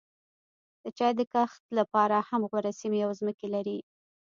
د چای د کښت لپاره هم غوره سیمې او ځمکې لري.